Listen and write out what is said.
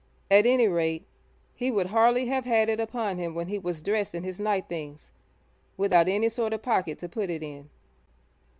At any rate, he would hardly have had it upon him when he was dressed in his night things, without any sort of pocket to put it in.